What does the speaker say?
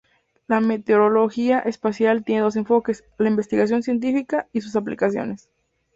La meteorología espacial tiene dos enfoques: la investigación científica y sus aplicaciones.